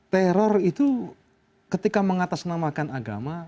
teror itu ketika mengatasnamakan agama